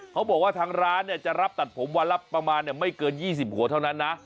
เขาบอกว่าทางร้านจะรับตัดผมวันละประมาณไม่เกิน๒๐หัวเท่านั้นนะ